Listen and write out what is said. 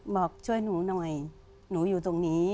บอกช่วยหนูหน่อยหนูอยู่ตรงนี้